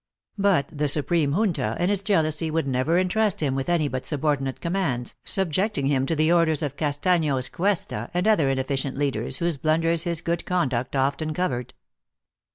But the Supreme Junta, in its jealousy would never entrust him with any but subordinate commands, subjecting him to the orders of Castanos Cuesta, and other ineffi cient leaders whose blunders his good conduct often covered.